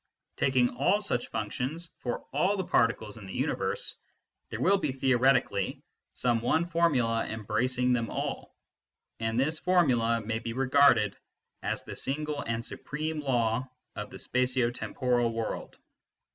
Taking all such functions for H ioa MYSTICISM AND LOGIC all the particles in the universe, there will be theo retically some one formula embracing them all, and this formula may be regarded as the single and supreme law of the spatio temporal world.